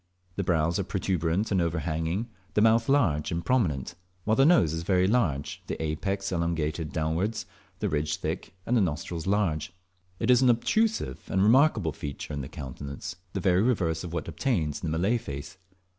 The brows are protuberant and overhanging, the mouth large and prominent, while the nose is very large, the apex elongated downwards, the ridge thick, and the nostrils large. It is an obtrusive and remarkable feature in the countenance, the very reverse of what obtains in the Malay face.